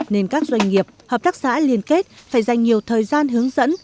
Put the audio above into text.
nên các doanh nghiệp hợp tác xã liên kết phải dành nhiều thời gian hướng dẫn